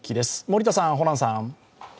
森田さん、ホランさん。